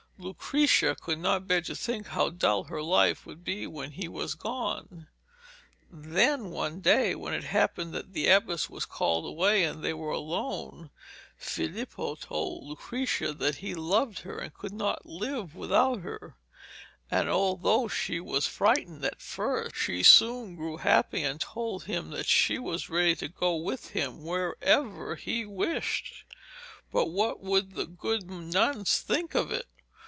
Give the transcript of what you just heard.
Lucrezia could not bear to think how dull her life would be when he was gone. Then one day, when it happened that the abbess was called away and they were alone, Filippo told Lucrezia that he loved her and could not live without her; and although she was frightened at first, she soon grew happy, and told him that she was ready to go with him wherever he wished. But what would the good nuns think of it?